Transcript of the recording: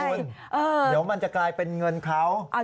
เดี๋ยวมันจะกลายเป็นเงินเขา